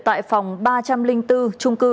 tại phòng ba trăm linh bốn trung cư